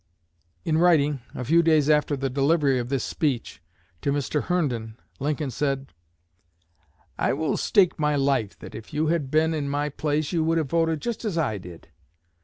In writing, a few days after the delivery of this speech, to Mr. Herndon, Lincoln said: "I will stake my life that if you had been in my place you would have voted just as I did.